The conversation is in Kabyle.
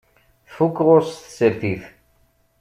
Tfuk ɣur-s tsertit.